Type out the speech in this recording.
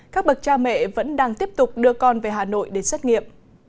các bậc cha mẹ vẫn đang tiếp tục đưa con về hà nội để xét nghiệm